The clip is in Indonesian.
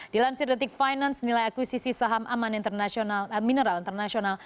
dilansir detik finance nilai akuisisi saham aman mineral internasional